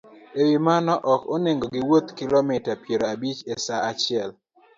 E wi mano, ok onego giwuoth kilomita piero abich e sa achiel